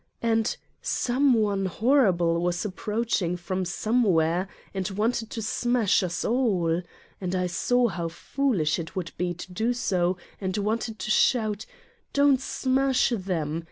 And, Someone horrible was approaching from Some where and wanted to smash us all. And I saw how foolish it would be to do so and wanted to shout: " Don't smash them.